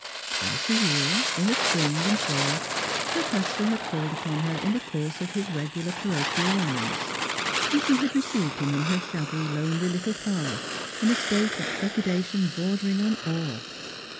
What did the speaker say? Twice a year, in the spring and fall, her pastor had called upon her in the course of his regular parochial rounds, and she had received him in her shabby, lonely little parlour in a state of trepidation bordering on awe.